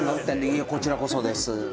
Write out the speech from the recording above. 「こちらこそです」